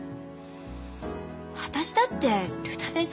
私だって竜太先生